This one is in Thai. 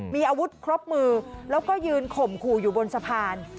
มีอาวุธครบมือแล้วก็ยืนข่มขู่อยู่บนสะพาน